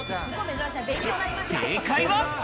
正解は？